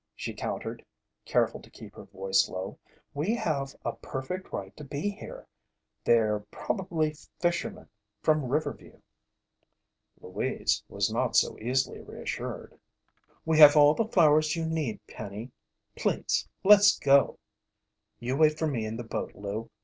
she countered, careful to keep her voice low. "We have a perfect right to be here. They're probably fishermen from Riverview." Louise was not so easily reassured. "We have all the flowers you need, Penny. Please, let's go!" "You wait for me in the boat, Lou.